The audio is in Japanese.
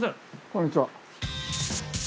こんにちは。